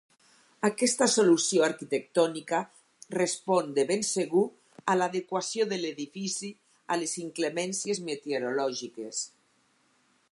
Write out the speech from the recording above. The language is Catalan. Aquesta solució arquitectònica respon de ben segur a l'adequació de l'edifici a les inclemències meteorològiques.